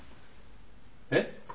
えっ？